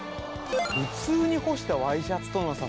普通に干したワイシャツとの差